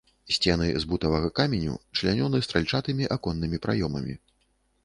Сцены з бутавага каменю, члянёны стральчатымі аконнымі праёмамі.